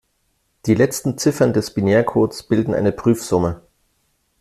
Die letzten Ziffern des Binärcodes bilden eine Prüfsumme.